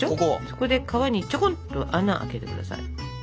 そこで皮にちょこんと穴開けて下さい。